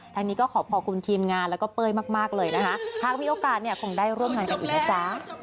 ทางนี้ก็ขอขอบคุณทีมงานแล้วก็เป้ยมากเลยนะคะหากมีโอกาสเนี่ยคงได้ร่วมงานกันอีกนะจ๊ะ